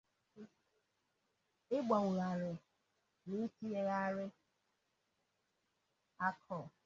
ịgbanwògharị na itinyegharị akụrụ.